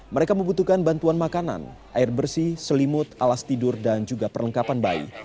mereka membutuhkan bantuan makanan air bersih selimut alas tidur dan juga perlengkapan bayi